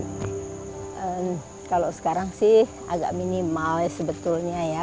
kalau sekarang sih agak minimal ya sebetulnya ya